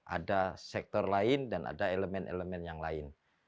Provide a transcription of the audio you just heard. ada sektor lain dan ada elemen elemen yang lain